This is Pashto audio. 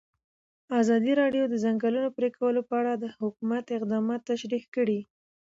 ازادي راډیو د د ځنګلونو پرېکول په اړه د حکومت اقدامات تشریح کړي.